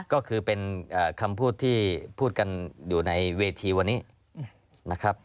ก็คือเป็นคำพูดที่พูดกันอยู่ในเวทีวันนี้นะครับ